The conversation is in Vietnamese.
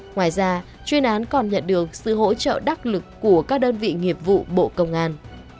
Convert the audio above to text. ngoài ra chuyên án còn nhận được sự hỗ trợ đắc lực của các đơn vị nghiệp vụ bộ công an